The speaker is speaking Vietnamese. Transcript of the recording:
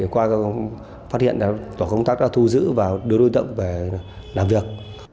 qua phát hiện tổ công tác đã thu giữ và đưa đối tượng về làm việc